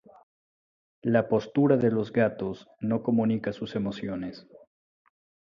La postura de los gatos nos comunica sus emociones.